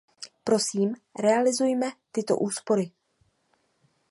Prosím, realizujme tyto úspory!